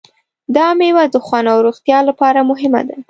دا مېوه د خوند او روغتیا لپاره مهمه ده.